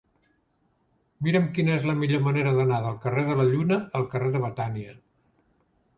Mira'm quina és la millor manera d'anar del carrer de la Lluna al carrer de Betània.